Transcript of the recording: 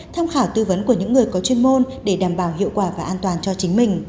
tham khảo tư vấn của những người có chuyên môn để đảm bảo hiệu quả và an toàn cho chính mình